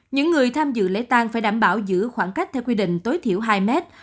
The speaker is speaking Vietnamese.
những người tham dự lễ tan phải đảm bảo giữ khoảng cách theo quy định tối thiểu hai mét